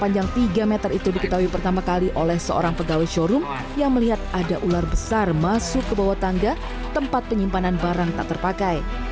panjang tiga meter itu diketahui pertama kali oleh seorang pegawai showroom yang melihat ada ular besar masuk ke bawah tangga tempat penyimpanan barang tak terpakai